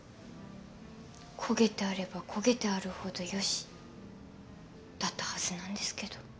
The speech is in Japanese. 焦げてあれば焦げてあるほど良しだったはずなんですけど。